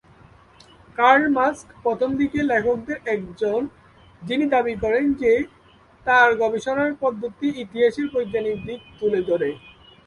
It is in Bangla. কার্ল মার্ক্স প্রথম দিকের লেখকদের একজন যিনি দাবি করেন যে তার গবেষণার পদ্ধতি ইতিহাসের বৈজ্ঞানিক দিক তুলে ধরে।